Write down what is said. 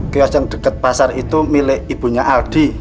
kios yang dekat pasar itu milik ibunya aldi